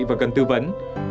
và cần tư vấn